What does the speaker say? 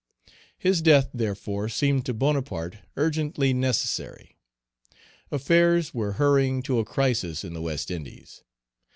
His death, therefore, seemed to Bonaparte urgently necessary. Affairs were hurrying to a crisis in the West Indies.